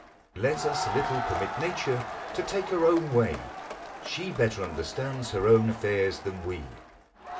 "Let us a little permit Nature to take her own way: she better understands her own affairs than we."